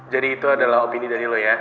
jadi itu adalah opini dari lo ya